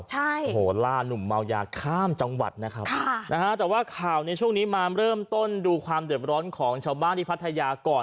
ใช่โอ้โหล่านุ่มเมายาข้ามจังหวัดนะครับค่ะนะฮะแต่ว่าข่าวในช่วงนี้มาเริ่มต้นดูความเดือบร้อนของชาวบ้านที่พัทยาก่อน